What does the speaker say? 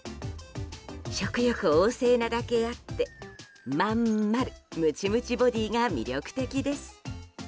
食欲旺盛なだけあってまんまるムチムチボディーが魅力的です。